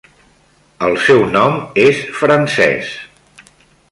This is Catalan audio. El seu nom és francès.